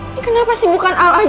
ini kenapa sih bukan al aja